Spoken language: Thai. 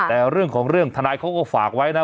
แต่เรื่องของเรื่องทนายเขาก็ฝากไว้นะ